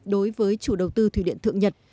đối với chủ đầu tư thủy điện thượng nhật